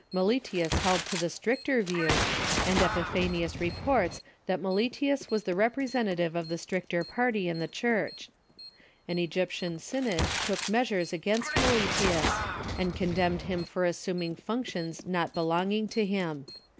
Meletius held to the stricter view, and Epiphanius re ports that Meletius was the representative of the stricter party in the Church. An Egyptian synod took measures against Meletius, and condemned him for assuming functions not be longing to him.